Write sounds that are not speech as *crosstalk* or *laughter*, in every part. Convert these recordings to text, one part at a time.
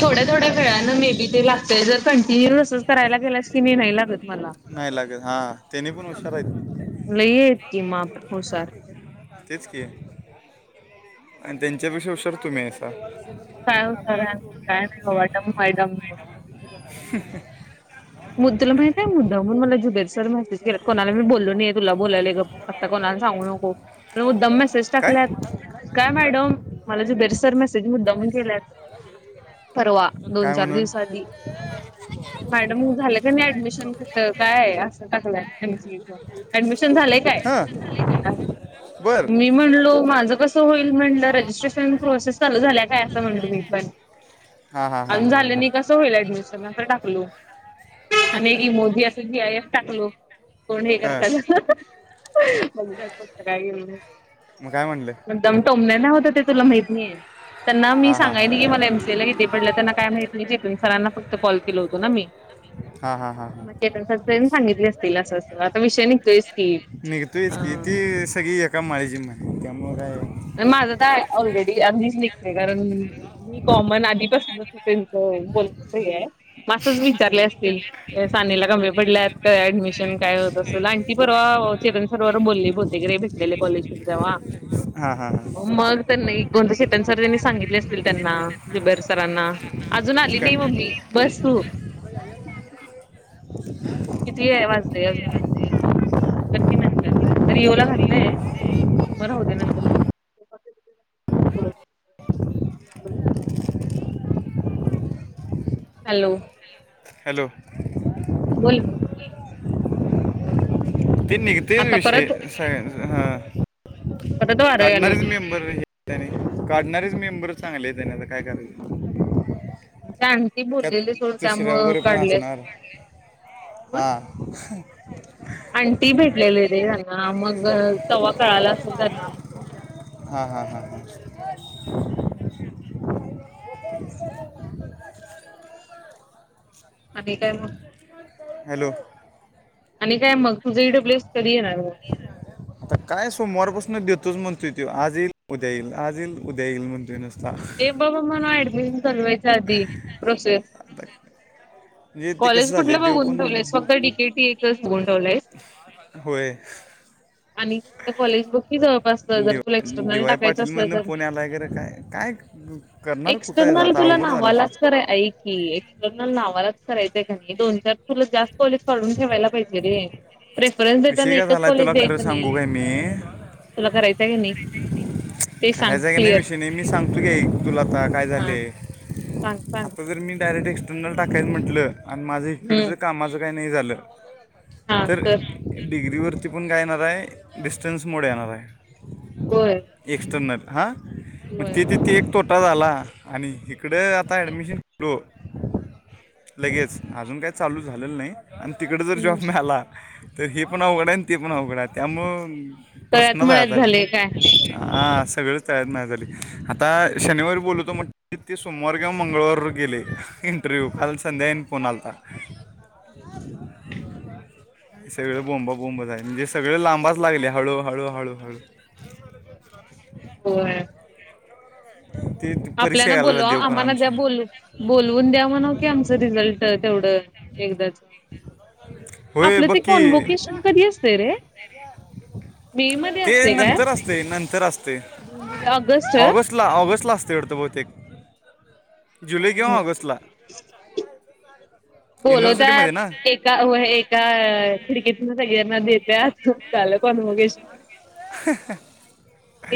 थोड्या थोड्या maybe ते लागतय जर कंटिन्यूयसचं करायला गेलास की नी नाही लागत. मला नाही लागत हा त्यानी पण हुशार आहेत. लई आहेत की माप हुशार तेच की आणि त्यांच्यापेक्षा हुशार तुम्ही आहीसा. काय हुशार आहे काय नाही बाबा डम हाय डम. *unintelligible* मग तुला माहित आहे मुद्दामहून मला जुबेर सर मेसेज केल्यात कोणाला मी बोलल नाहीये तुला बोलालोय गप आता कोणा कोणाला सांगू नको मला मुद्दाम मेसेज काय टाकल्यात काय मॅडम मला जुबेर सर मेसेज मुद्दामहून केल्यात. परवा दोन काय चार म्हणून दिवसाआधी मॅड मग झालं का नायं ऍडमिशन कुठं काय असं टाकलं एम सी ए च ऍडमिशन झालंय काय? हां बर मी म्हणलो माझं कस होईल म्हटलं रजिस्ट्रेशन प्रोसेस चालु झाल्या काय असं म्हणल मी पण हां हां हां अजुन हां झालं हां नाही कस होईल ऍडमिशन आसा टाकलं आणि एक ईमोजी असं जी आय एफ टाकलो कोण हे हां करतात. *unintelligible* मग काय म्ह मुद्दाम टोमण नायं होत ते तुला माहित नाहीय. त्यांना मी हां हां सांगाय हां नाही की मला एम सी ए ला किती पडलं त्यांना काय माहीत नाही चेतन सरांना फक्त कॉल केलं होत ना मी हां हां हां हां मग चेतन सरनं सांगितले असतील असं अस आता विषय निघतोयच की, निघतोयच की अ ती सगळी एका माळेची मनी माझं तर आ ऑलरेडी आधीच निघतय कारण मी कॉमन आधीकचं त्यांचं बोलचं हे हाय म असच विचारले असतील या सानिला कमी पडल्यात काय ऍडमिशन काय कस आंटी पर्वा हो चेतन सरवर बोलली बहुतेक भेटलेले रे कॉलेज देवा हां हां हां मंग त्याना इकवण्यासाठी पण सर त्यांनी सांगितले असतील त्यांना जुबेर सरांना अजून आली नाही कमी मम्मी बस तू ते वाजले अजून कर की नंतर तर येवला घातलंय म राहूदे नंतर बोलू बरं हॅलो हॅलो बोल ते निघतेच आता परत विषयं सग हां परत वारं यालय काढणारीच बघ मेंबर हे आणि काढणारीच मेंबर चांगलेयत आणि आता काय करायच आंटी त्यात बोललेली सोड तिसऱ्या त्यामुळं वगैरे पण काढले असणार असेल हा आणंटी भेटलेली रे त्यांना मग तवा कळाल असेल त्यांना विचारयला हां हां हां हां *inaudible* आणि काय मग हॅलो. आणि काय मग तुझं ईडब्ल्यू एस कधी येणार मग? आता काय, सोमवारपासून देतोच म्हण- तोय त्यो, आज येईल, उद्या येईल, आज येईल उद्या येईल म्हणतोय नुसतं. हे बाबा मना ऍडमिशन चालवायच आधी प्रोसेस- ते कॉलेज कसं झाले कुठलं देव बघून पण ठेवलंयस? फक्त डी के टी एकच बघून ठेवलयस? होय. आणि कुठलं कॉलेज बघून - जवळपासच जर दिव तुला एक्सटर्नल दिवाय टाकायचं पाटील असलं मधनं तर. फोन आलाय का रे काय काय करणार कुठं आहे ल आता तुला अवघड झाले नावालाच कराय आहे की एक्सटर्नल नावालाच- करायचंय का नाही दोन चार तुला जास्त कॉलेज काढून ठेवायला पाहिजे रे. प्रेफरन्स विषय देताना काय एकच झालाय कॉलेज तुला खरं द्यायचं सांगू नाही. काय मी तुला करायचं की नाही? ते सांग करायच की नाही क्लिअर विषय नाही. मी सांगतो का तुला आता काय हा झालेय- सांग सांग. डायरेक्ट एक्स्टर्नल टाकायला म्हटलं आणि माझं इकडच हम्म कामाचं काही नाही झालं- हा तर? डिग्रीवरती पण काय येणार आहे? डिस्टन्स मोड येणार आहे. होय एक्स्टर्नल- हा. मग होय तेिथे ते एक *unintelligible* झाला आणि इकडें आता ॲडमिशन घेतलो- लगेच. अजून काही चालू झालेलं नाही. आणि तिकड जर हम्म जॉब मिळाला. तर हे पण अवघड आहे आणि ते पण अवघड आहे त्यामुळे- तळ्यात प्रश्नच आहे आता मळ्यात झालेय काय आणि आ- सगळ च तळ्यात मळ्यात झालं. आता शनिवारी बोलवतो म्हटल तर ते सोमवार किंवा मंगळवार वर गेले. इंटरव्ह्यू. काल संध्याकाळी फोन आलता. सगळे बोंबा बोंबच आहे. म्हणजे सगळे लांबायच लागलय हळू हळू हळू. ते ते परीक्षा आपल्याला घालायला बोलवा. देव पण आम्हाना द्या आमची बोल -बोलवून द्या की म्हणाव आमचं रिझल्ट तेवढं. एकदाच. होय आपलं बग ते की. कॉन्वोकेशन कधी असते रे मे मध्ये ते असते काय नंतर असतय. नंतर असतय. जून जुलै ऑगस्ट काय ला. ऑगस्टला असतय वाटत बहुतेक. जुलै किंवा ऑगस्टला- बोलवत्यात. युनिव्हर्सिटीमध्ये ना एका एका खिडकीतून सगळ्यांना देत- ब झालं कॉनवगेशन. *inaudible*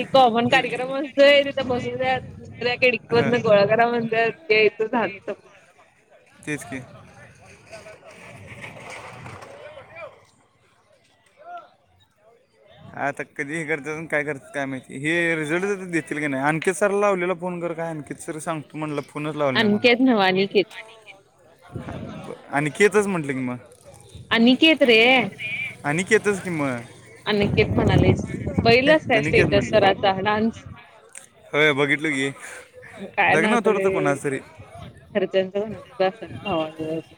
एक कॉमन इन- कार्यक्रम असतोय. तिथे बसून *unintelligible* खिडकी मधन हं गोळा करा म्हणतात. यचं झालं सगळ. तेच की. आता कधी हे करतात? काय करतात? काय माहिती? हे रिझल्टच- का नाही. आणखी सरला लावलेला फोन कर. काय आणखी सर सांगतू म्हटलं- पुनच लावलं नाही मला अनिकेत नव्ह अनिकेत आणि केचच म्हंटले की मग- अनिकेत रे. तेच की म. अनिकेेत म्हणालेत सर. बघितलंस काय अनिकेत स्टेटस म्हटलं सराचं -डान्स- होय. बघितलं की काय लग्न होत नाचलय कोणाच तरी. घरच्यांच *unintelligible* म्हणा भावाबिवाच.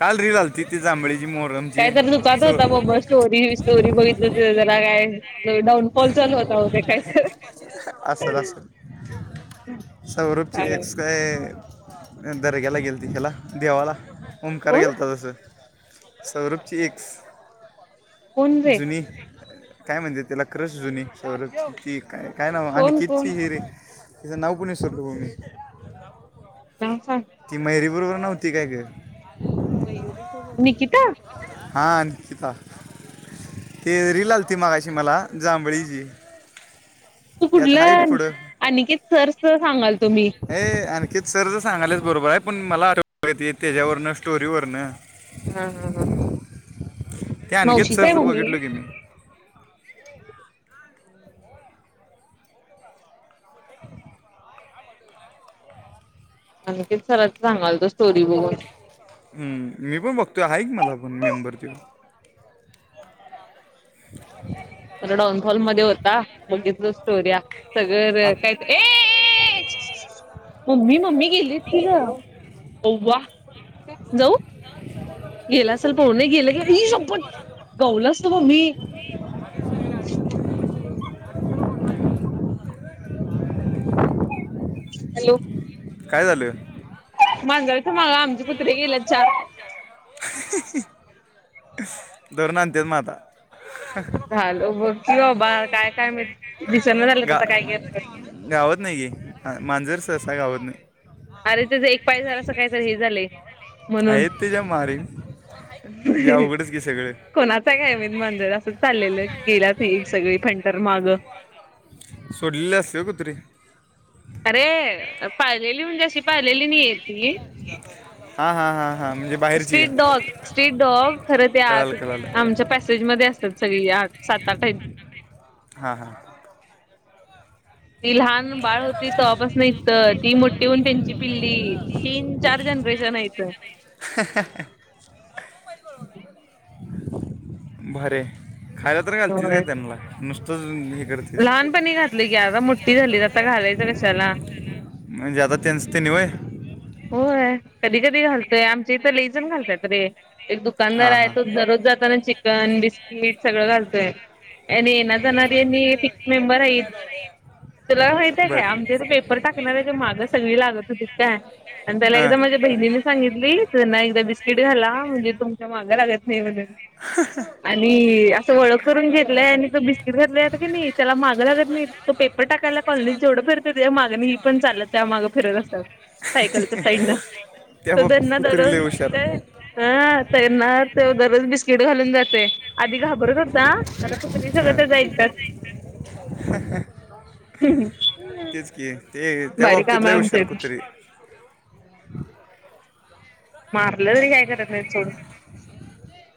काल रिल आली ति ती जांभळी- *unintelligible* होता मग स्टोरी स्टोरी बघितलं हो त जला काय- डाउनफॉल चालू होता होते काय तर? असल असल. सौरपभची सांगाल एक्स काय- दर्ग्याला गेल तिखेला देवाला. ओंकार कोण गेलता तस- सौरभची एक्स. कोण रे जुनी- काय म्हणजे? त्याला क्रश जुनी काय नाव कोण अनिकेतची कोण हि रे- इथ नवपुणेशवरभूमी नाव सांग ती मैरी बरोबर नव्हती काय ग मयू निकिता हा नििता ते रि लाल त मागाशी मला जांभळीची तू त्यात आहे कुठलं पुढं अनिकेत सर स सांगाल तुम्ही हे आणखी सर तर सांगालाच बरोबर आहे पण मला आठवती त्याच्यावरन स्टोरीवरन हम हम् हम ते आणखीच सरचं बघितल की मी आणख सरच सांगाल तो स्टोरी बघ हम्म मी पण बघतोय आहे क मला पण मेंबर ते डाऊन हॉल मध्ये होता बघितलं स्टोरया सगळं आत काय मम्मी मम्मी गेलीत की ग ववा जाऊ गेला असेल पह नाही गेलं क मी शपट गहला असतो म मी *inaudible* *inaudible* *inaudible* हॅलो काय झालं मांजवथं मागा आमचे कुत्रे गेलेत चार ोरण अतेच मााता झाल बोलती बा काय काय मि गा गावत नाही गी मांजर सरसा गावत नाही अरे त्याचा एक पाय झाला अस काहीत हे झाले म्हणून आहेत त्याच्या मारीन म्हणजे अवघडच की सगळे कोणाचा काय मेनमांजर अस चाललेलं गेला त सगळी फंटर माग सोडले अस कुतरीे अरे पाहिलेली म्हज्या अशी पाहिलेली नाहीय ती हा हा हा स्ट्रीट डॉग स्ट्रीट डॉग खरं ते कळालं आत कळालं आमच्या पॅसेजमध्येध्ये असतात सगळी आत सात आठई हां हा. ती लहान बाळ होती तवा पासून इथ ती मोठी होऊन त्यांची पिल्ली तीन चार जण. *unintelligible* *inaudible* भारीय खायला तर घालतीस का होय त्यांला नुसतंच. करतीस लहानपणी घातले की आता मोठठी झाली आता घालायच कशाला? म्हणजे आता त्यांच तेनी होय. होय कधी कधी घालतोय आमचे इथ लेईजण घालत्यात रे. एक दुकानदार हां आहे हां तो दररोज जाताना चिकन, बिस्किट. जाणारी आणि फिक्स मेंबर आहेत. तुला माहितय काय बरं आमच्या इथ पेपर टाकणाऱ्याच्या मागं सगळी लाग आणि त्याला हां एकदा माझ्या बहिणीने सांगितली त्यांना एकदा बिस्किट घाला म्हणजे तुमच्या मागं लागत नाही म्हणून. ह. आणि असं ओळख करून घेतलंय आणि तो बिस्किट घातला का नाही त्याला माग लागत नाही तो पेपर. टाकायला कॉलणीत जेवढं फिरतय त्याच्या मागन ही पण चालत त्या मागं फिरत असत्यात बग सायकल. साईडन त्या तो बाबतीत त्यांना कुत्री दररोज लय हुशार ह. त्याना तो दररोज बिस्किट घालून जातोय. आधी घाबरत होता आता कुत्री सगळं हां त्याच ऐकत्यात. तेच की. ते त्या बारीक बाबतीत काम लय आहे आमच्या हुशार इथे कुत्री. मारलं तरी काय करत नाही सोड.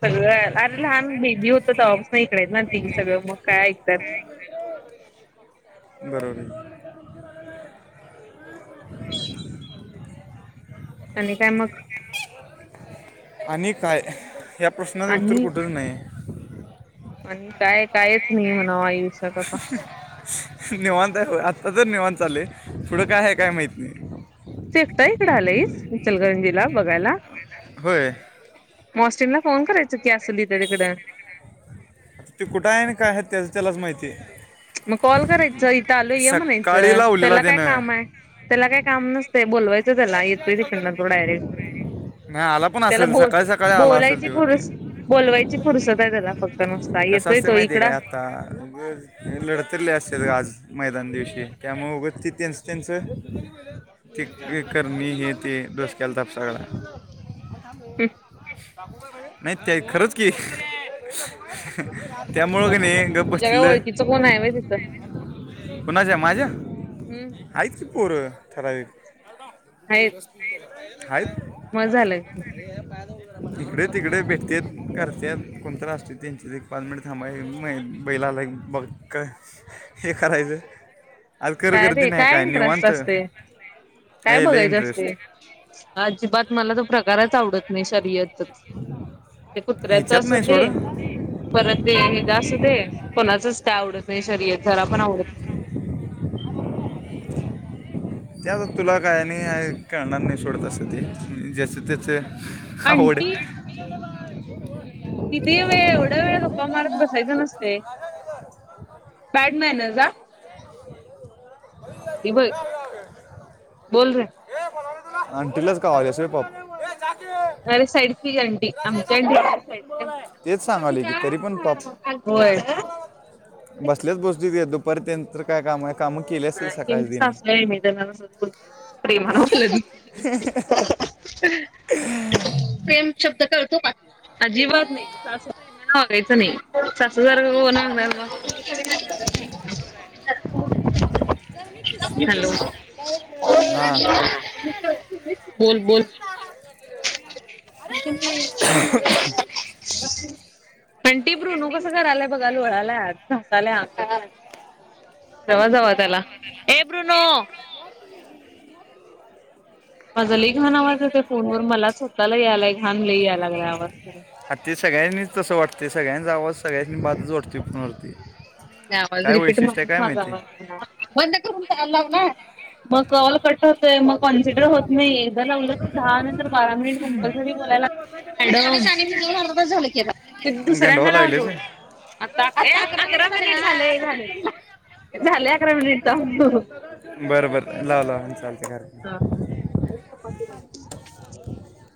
सगळं अरे लहान बेबी होतं तवा पासून इकडे आहेत ना ती सगळं मग काय ऐकतात. *inaudible* बरोबर. आणि काय मग? आणि काय ह्या प्रश्नाचं उत्तर आणि कुठच नाही. आणि काय कायच नाही म्हण आयुष्य निवांतय बग आता निवांत चालय पुढं काय आहे काय माहित नाही. तू एकटा इकडं आलंयस इचलकरंजीला बघायला? होय ऑस्टिनला फोन करायच की असल तिकडं. ते कुठं आहे आणि काय आहेत त्याच त्यालाच माहितीय. मग कॉल करायचं इथं आलो ये सकाळी म्हणायचं लावलेला त्याला काय देणं काम आहे. त्याला काय काम नसतंय बोलवायचं त्याला येतोय तिकंडन तो डायरेक्ट. नाही आला पण त्याला असेल बोल सकाळी सकाळी आला असेल बोलायची ते फुरस होते बोलवायची फुरसत आहे त्याला फक्त. नुसता कसं येतोय असतय तो माहिती आहे काय इकडं आता लढत उतरले अस आज मैदान दिवशी त्यामुळ उगच ती त्यांचं त्यांचं ते एक. कर मी हे ते डोसक्याला ताप सगळा. ह. नाही ते खरच की. त्यामुळे. म हंगा तुझ्या काय बसलं. ओळखीचं कोण आहे व्हय तिथं कुणाच्या माझ्या हम्म आहेतच की पोर ठरावीक. आहेत *unintelligible* मग झालय. इकड तिकडे भेटत्यात करत्यात कोणतर असत्यात त्यांचे पाच मिनिट थांबा बैलाला. लाई बघ का हे करायचं. आज कर काय गर्दी रे नाही काय इंटरेस्ट निवांत असतय? काय हे लय बघायचं इंटरेस्ट असतय अजिबात मला तर प्रकारच आवडत नाही शर्यत. ते कुत्र्याच ह्याच्यात असू नाही सोड दे. परत ते हे ह्यज असुदे कोणाचच काय आवडत नाही शर्यत जरा पण आवडत नाही. *inaudible* त्या तुला काय नाही कळणार नाही सोडत अस ते जसे त्याचे आवड अंटी किती व एवढा वेळ गप्पा मारत बसायच नसते. बॅडमॅनज आदीि भाई बोल रे. आणि टिल्लच कावाल पाप अरे साईड आंटी आमची तेच अँटी सांगाले की तरी पण पाप हो. जाके बसल्याच गोष्टीच दुपर् त्यांच काय काम आहे. कामं केली असेल सकाळी दिने असल्याय मीोल *unintelligible* प्रेम शब्द करळतो. अजिबात नाही सासमाना वागायचं नाही सास जारखं कोणगणार ह हॅलो हा. बोल बोल. *unintelligible* पण ती प्रुनू कसं करायलाय बघाल वळाल्यासा. रवाज वाातला हे ब्र न माझा लि घाण आवाज यता फोनवर मला स्वतःला यायलाय घाण ल यायला लागलाय आवाज करून. आ ते सगळ्यांनीच तसं वाटते सगळ्यांच आवाज सगळ्यांनी बाजूच वाटते फोन वरती नाही आवाज रिपीट म्हणच माझा माहिती आवाज बंद करून चाललाव ना. मग कऑल कट होतय मग कॉन्सिडर होत नाही एकदा लावलं की दहा नंतर बारा मिनिट कंपलसरी बोलायला लागड झा गंडवा दुसऱ्यांदा लागलेच लावलो. आडेकंग झा झा. बर बर ला लाव चाल. ह.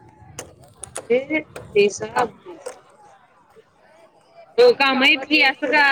अ तेस हो कामहत कि असं का?